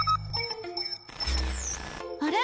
あれ？